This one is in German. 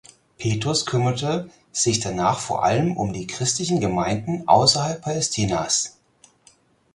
Petrus kümmerte sich danach vor allem um die christlichen Gemeinden außerhalb Palästinas.